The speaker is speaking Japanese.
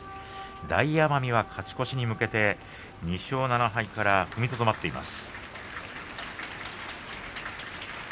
大奄美は勝ち越しに向けて２勝７敗から踏みとどまっています。